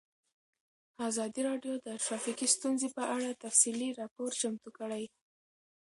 ازادي راډیو د ټرافیکي ستونزې په اړه تفصیلي راپور چمتو کړی.